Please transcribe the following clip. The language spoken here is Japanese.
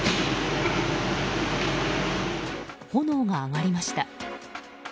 炎が上がりました。